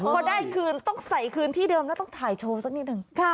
พอได้คืนต้องใส่คืนที่เดิมแล้วต้องถ่ายโชว์สักนิดนึง